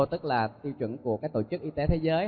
tức là tiêu chuẩn của các tổ chức y tế thế giới